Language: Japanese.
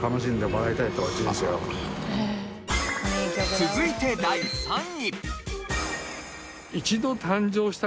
続いて第３位。